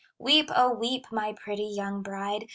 "Weep, O weep, my pretty young bride.